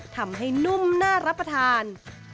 ทำให้นุ่มน่ารับประทาน